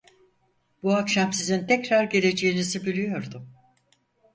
Bu akşam sizin tekrar geleceğinizi biliyordum!